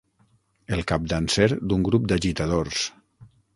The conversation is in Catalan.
El capdanser d'un grup d'agitadors.